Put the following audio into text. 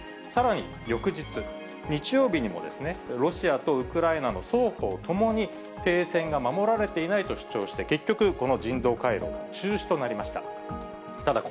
さらに、翌日日曜日にもロシアとウクライナの双方ともに停戦が守られていないと主張して、結局、この人道回廊は中止となりました。